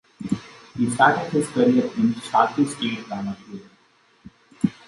He started his career in Shaki State Drama Theater.